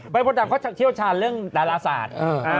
บริโภคดับเขาเชี่ยวชาญเรื่องดาราศาสตร์